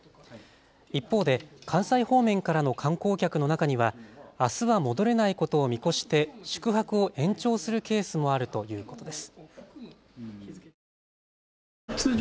一方で関西方面からの観光客の中にはあすは戻れないことを見越して宿泊を延長するケースもあるということです。